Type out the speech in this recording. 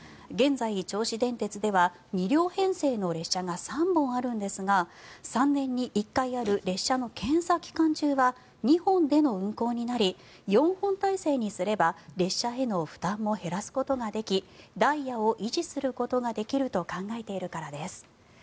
現在、銚子電鉄では２両編成の列車が３本あるんですが３年に１回ある列車の検査期間中は２本での運行になり４本体制にすれば列車への負担も減らすことができダイヤを維持することができると考えているからです。